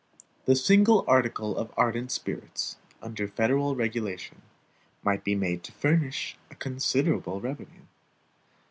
The single article of ardent spirits, under federal regulation, might be made to furnish a considerable revenue.